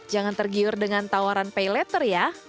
jangan tergiur dengan tawaran pay letter ya